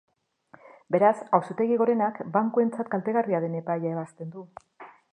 Beraz, Auzitegi Gorenak bankuentzat kaltegarria den epaia ebazten du.